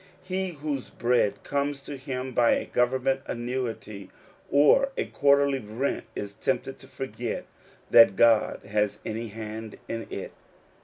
He whose bread comes to him by a government annuity or a quarterly rent, is tempted to forget that God has any hand in it.